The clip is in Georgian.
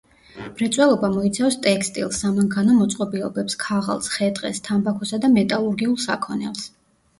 მრეწველობა მოიცავს ტექსტილს, სამანქანო მოწყობილობებს, ქაღალდს, ხე-ტყეს, თამბაქოსა და მეტალურგიულ საქონელს.